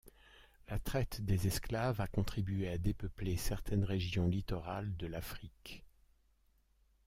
La traite des esclaves a contribué à dépeupler certaines régions littorales de l'Afrique.